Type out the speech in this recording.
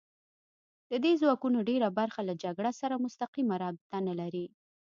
د دې ځواکونو ډېره برخه له جګړې سره مستقیمه رابطه نه لري